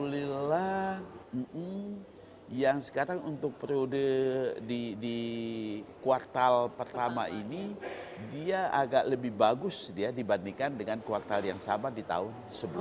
alhamdulillah yang sekarang untuk periode di kuartal pertama ini dia agak lebih bagus dia dibandingkan dengan kuartal yang sama di tahun sebelumnya